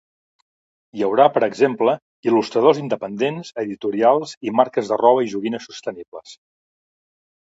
Hi haurà, per exemple, il·lustradors independents, editorials i marques de roba i joguines sostenibles.